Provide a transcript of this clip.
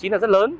là rất lớn